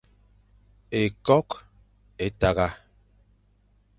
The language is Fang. Ékôkh é tagha.